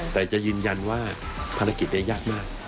แต่จะยืนยันว่าภารกิจนี้ยากมาก